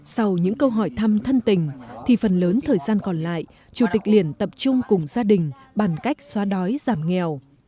sau những câu hỏi thăm thân tình thì phần lớn thời gian còn lại chủ tịch liền tập trung cùng gia đình bàn cách xóa đói giảm nghèo